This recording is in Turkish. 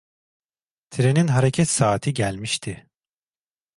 Trenin hareket saati gelmişti.